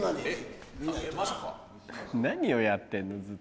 何をやってんのずっと。